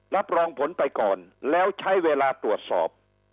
รับรองผลไปก่อนแล้วใช้เวลาตรวจสอบ